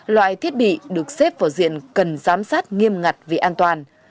loại thiết bị được xếp vào diện cần giám sát nghiêm ngặt vì an toàn